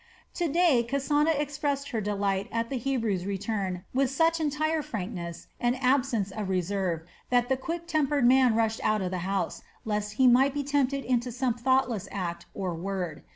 To day Kasana expressed her delight at the Hebrew's return with such entire frankness and absence of reserve that the quick tempered man rushed out of the house lest he might be tempted into some thoughtless act or word.